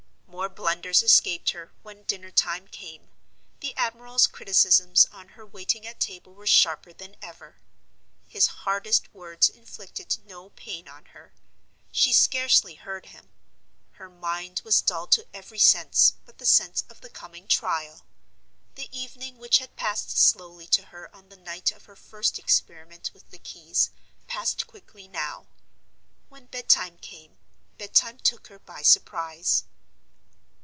More blunders escaped her when dinner time came; the admiral's criticisms on her waiting at table were sharper than ever. His hardest words inflicted no pain on her; she scarcely heard him—her mind was dull to every sense but the sense of the coming trial. The evening which had passed slowly to her on the night of her first experiment with the keys passed quickly now. When bed time came, bed time took her by surprise.